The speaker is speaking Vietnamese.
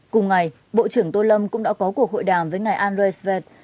cùng ngày bộ trưởng tô lâm cũng đã có cuộc hội đàm với ngài andrei svet